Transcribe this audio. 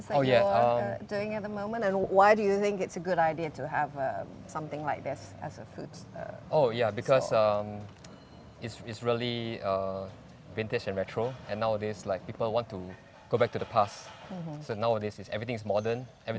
sebagai contoh bagaimana nilai yang diberikan untuk satu perusahaan ini